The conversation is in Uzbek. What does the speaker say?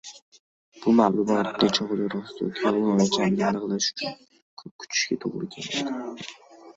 Bu maʼlumot nechogʻli rost yoki yolgʻon ekanini aniqlash uchun koʻp kutishga toʻgʻri kelmadi.